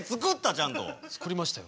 ちゃんと。作りましたよ。